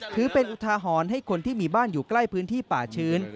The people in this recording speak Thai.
ถือเป็นอุทาหรณ์ให้คนที่มีบ้านอยู่ใกล้พื้นที่ป่าชื้น